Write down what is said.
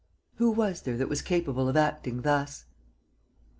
Who was there that was capable of acting thus?